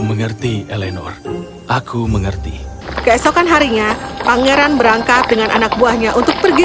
mengerti elenor aku mengerti keesokan harinya pangeran berangkat dengan anak buahnya untuk pergi